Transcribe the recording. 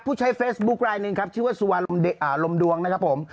ผู้ใช้เฟซบุ๊คลายหนึ่งครับชื่อว่าสุลมดวงนะครับผม